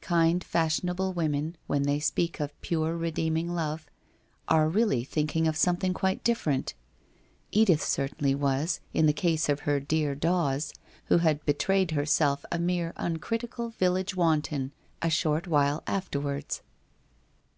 Kind fashionable women, when they speak of pure redeeming love, arc really thinking of something quite different. Edith certainly was, in the case of her dear Dawes, who had betrayed herself a mere uncritical village wanton a short while afterwards.